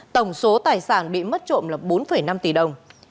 tổng số tài sản bị mất trộm là bốn năm tỷ đồng